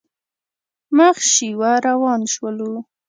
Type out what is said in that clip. مخ شېوه روان شولو.